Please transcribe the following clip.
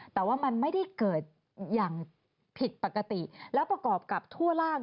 แต่ว่ามันไม่ได้เกิดอย่างผิดปกติแล้วประกอบกับทั่วร่าง